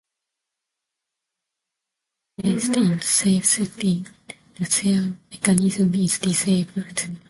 With the safety placed in the "safe" setting, the sear mechanism is disabled.